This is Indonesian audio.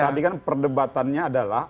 tadi kan perdebatannya adalah